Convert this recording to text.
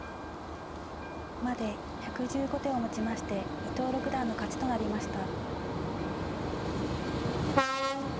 まで１１５手をもちまして伊藤六段の勝ちとなりました。